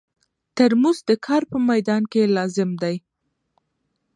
ترموز د کار په مېدان کې لازم دی.